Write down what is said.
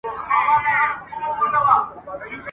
نه په خوله فریاد له سرولمبو لري ..